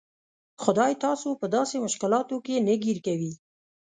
خدای تاسو په داسې مشکلاتو کې نه ګیر کوي.